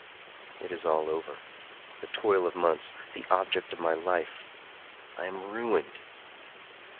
It is all over—the toil of months, the object of my life. I am ruined!"